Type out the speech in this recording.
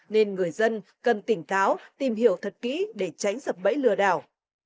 nên người dân cần tỉnh táo tìm hiểu thật kỹ để tránh sập bẫy lừa đảo